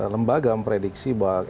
lembaga memprediksi bahwa